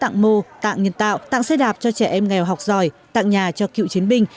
tặng mô tặng nhân tạo tặng xe đạp cho trẻ em nghèo học giỏi tặng nhà cho cựu chiến binh